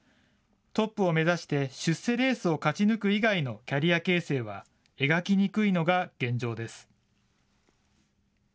トップを目指して、出世レースを勝ち抜く以外のキャリア形成は、描きにくいのが現状です。